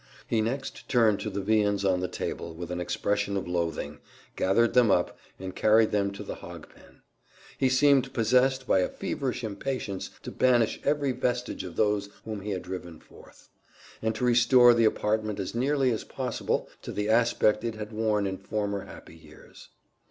He next turned to the viands on the table with an expression of loathing, gathered them up, and carried them to the hog pen. He seemed possessed by a feverish impatience to banish every vestige of those whom he had driven forth, and to restore the apartment as nearly as possible to the aspect it had worn in former happy years.